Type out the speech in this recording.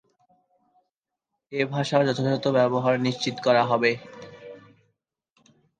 এ ভাষার যথাযথ ব্যবহার নিশ্চিত করা হবে।